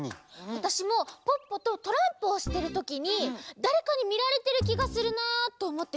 わたしもポッポとトランプをしてるときにだれかにみられてるきがするなとおもってふりむいたら。